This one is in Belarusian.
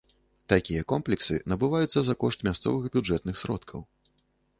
Такія комплексы набываюцца за кошт мясцовых бюджэтных сродкаў.